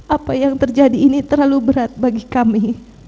apa yang terjadi ini terlalu berat bagi kami